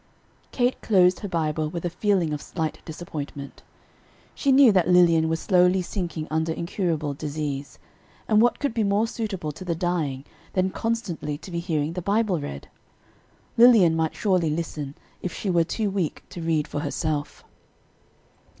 Kate closed her Bible with a feeling of slight disappointment. She knew that Lilian was slowly sinking under incurable disease, and what could be more suitable to the dying than constantly to be hearing the Bible read? Lilian might surely listen, if she were too weak to read for herself.